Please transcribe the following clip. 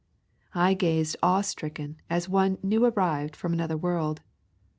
I gazed awe stricken as one new arrived from another world.